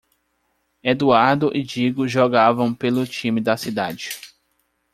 Eduardo e Digo jogavam pelo time da cidade.